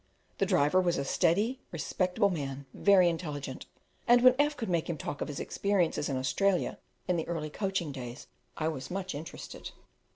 The driver was a steady, respectable man, very intelligent; and when F could make him talk of his experiences in Australia in the early coaching days, I was much interested.